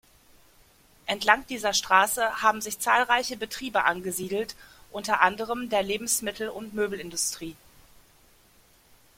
Entlang dieser Straße haben sich zahlreiche Betriebe angesiedelt, unter anderem der Lebensmittel- und Möbelindustrie.